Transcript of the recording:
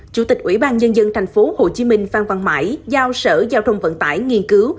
chủ tịch ủy ban nhân dân tp hcm phan văn mãi giao sở giao thông vận tải nghiên cứu